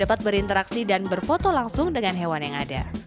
dapat berinteraksi dan berfoto langsung dengan hewan yang ada